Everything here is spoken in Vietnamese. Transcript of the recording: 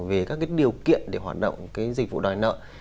về các cái điều kiện để hoạt động cái dịch vụ đòi nợ